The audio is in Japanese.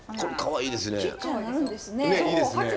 いいですね。